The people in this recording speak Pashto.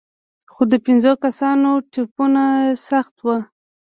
خو د پېنځو کسانو ټپونه سخت وو.